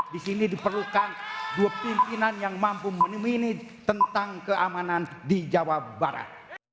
di sini diperlukan dua pimpinan yang mampu menemini tentang keamanan di jawa barat